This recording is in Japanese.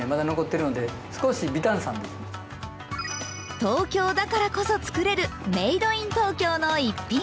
東京だからこそ造れるメイドイン東京の１品。